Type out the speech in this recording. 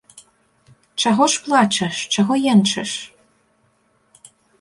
Чаго ж плачаш, чаго енчыш?